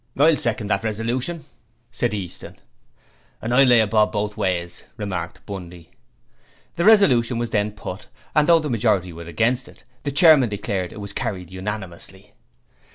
'I'll second that resolution,' said Easton. 'And I'll lay a bob both ways,' remarked Bundy. The resolution was then put, and though the majority were against it, the Chairman declared it was carried unanimously.